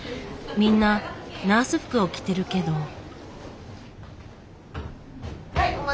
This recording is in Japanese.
みんなナース服を着てるけど。